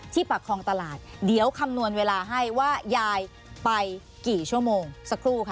ปากคลองตลาดเดี๋ยวคำนวณเวลาให้ว่ายายไปกี่ชั่วโมงสักครู่ค่ะ